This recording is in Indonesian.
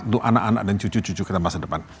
untuk anak anak dan cucu cucu kita masa depan